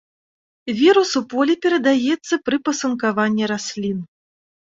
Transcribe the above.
Вірус у полі перадаецца пры пасынкаванні раслін.